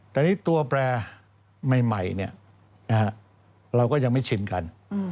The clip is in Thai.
แต่นี่ตัวแปรใหม่เราก็ยังไม่ชินกัน